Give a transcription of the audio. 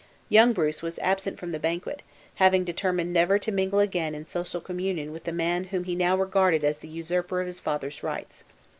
Young Bruce was absent from the banquet, having determined never to mingle again in social communion with the man whom he now regarded as the usurper of his father's rights.